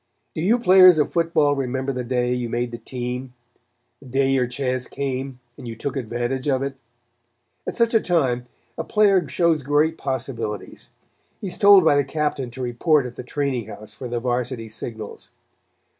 Do you players of football remember the day you made the team, the day your chance came and you took advantage of it? At such a time a player shows great possibilities. He is told by the captain to report at the training house for the Varsity signals.